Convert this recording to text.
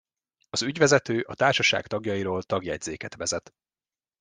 Az ügyvezető a társaság tagjairól tagjegyzéket vezet.